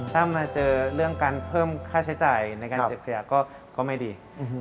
ถ้ามาเจอเรื่องการเพิ่มค่าใช้จ่ายในการเก็บขยะก็ไม่ดี